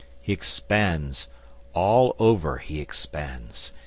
He expands all over he expands.